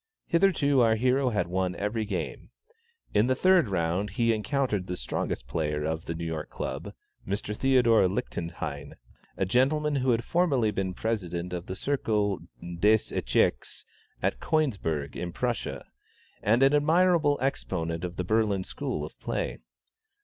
Hitherto our hero had won every game. In the third round he encountered the strongest player of the New York Club, Mr. Theodore Lichtenhein, a gentleman who had formerly been President of the Circle des Echecs at Königsburg in Prussia, and an admirable exponent of the Berlin school of play.